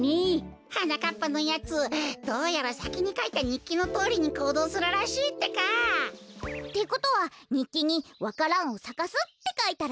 はなかっぱのやつどうやらさきにかいたにっきのとおりにこうどうするらしいってか。ってことはにっきに「わか蘭をさかす」ってかいたら？